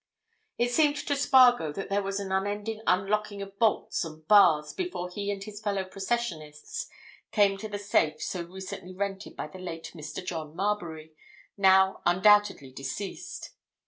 It seemed to Spargo that there was an unending unlocking of bolts and bars before he and his fellow processionists came to the safe so recently rented by the late Mr. John Marbury, now undoubtedly deceased.